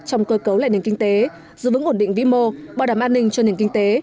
trong cơ cấu lại nền kinh tế giữ vững ổn định vĩ mô bảo đảm an ninh cho nền kinh tế